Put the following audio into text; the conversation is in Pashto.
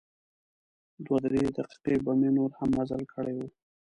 دوه درې دقیقې به مې نور هم مزل کړی و.